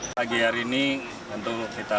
pagi hari ini tentu kita